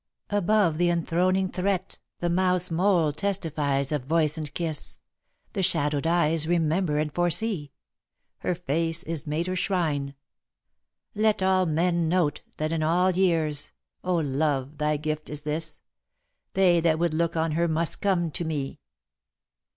Above the enthroning threat The mouth's mould testifies of voice and kiss, The shadowed eyes remember and foresee. Her face is made her shrine. Let all men note That in all years (Oh, love, thy gift is this!) They that would look on her must come to me."